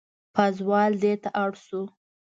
پازوال دېته اړ شو.